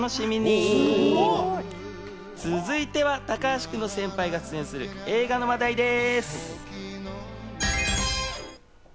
すごい！続いては高橋君の先輩が出演する映画の話題です。